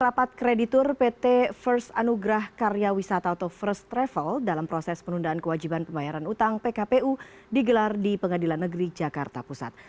rapat kreditur pt first anugrah karya wisata atau first travel dalam proses penundaan kewajiban pembayaran utang pkpu digelar di pengadilan negeri jakarta pusat